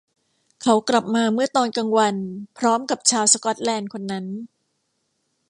เขากลับมาเมื่อตอนกลางวันพร้อมกับชาวสก็อตแลนด์คนนั้น